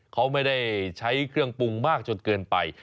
เขาไม่ได้ใช้เครื่องปรุงมากจนเกินไป